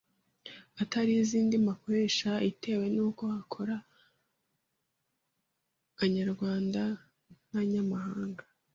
atari azi indimi akoresha itewe n’uko hakora Anyarwanda n’anyamahanga